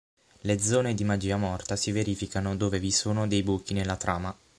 Le zone di magia morta si verificano dove vi sono dei buchi nella trama.